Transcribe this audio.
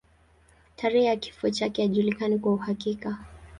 Tarehe ya kifo chake haijulikani kwa uhakika.